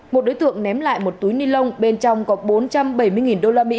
một đối tượng ném lại một túi nilon bên trong có bốn trăm bảy mươi usd